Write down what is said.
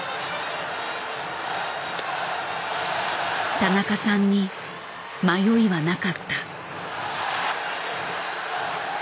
田中さんに迷いはなかった。